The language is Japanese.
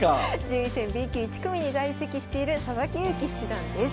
順位戦Ｂ級１組に在籍している佐々木勇気七段です。